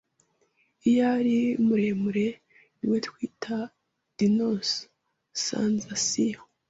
iyo ari muremure, niwe twita dinosu sanzasiyo